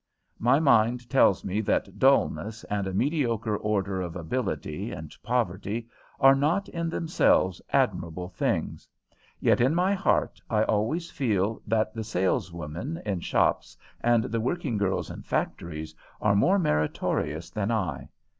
My mind tells me that dulness, and a mediocre order of ability, and poverty, are not in themselves admirable things. Yet in my heart I always feel that the sales women in shops and the working girls in factories are more meritorious than I.